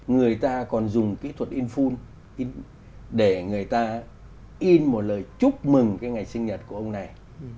người ta còn dùng kỹ thuật infull in để người ta in một lời chúc mừng cái ngày sinh nhật của ông này